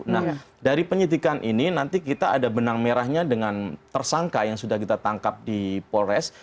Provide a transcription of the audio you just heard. nah dari penyidikan ini nanti kita ada benang merahnya dengan tersangka yang sudah kita tangkap di polres